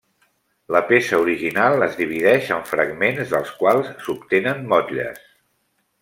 La peça original es divideix en fragments dels quals s'obtenen motlles.